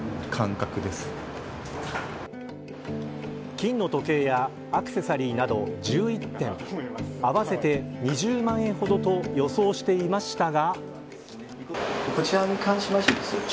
金の時計やアクセサリーなど１１点合わせて２０万円ほどと予想していましたが。